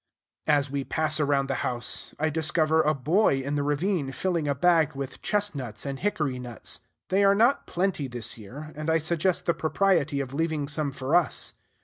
As we pass around the house, I discover a boy in the ravine filling a bag with chestnuts and hickorynuts. They are not plenty this year; and I suggest the propriety of leaving some for us.